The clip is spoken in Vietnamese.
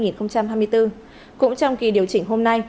cũng trong kỳ điều chỉnh hôm nay